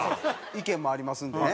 意見もありますのでね。